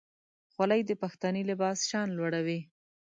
خولۍ د پښتني لباس شان لوړوي.